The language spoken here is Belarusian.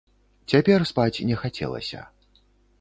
Цяпер спаць не хацелася.